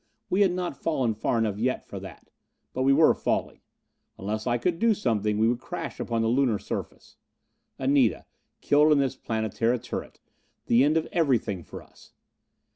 We had not fallen far enough yet for that. But we were falling. Unless I could do something, we would crash upon the Lunar surface. Anita, killed in this Planetara turret. The end of everything for us.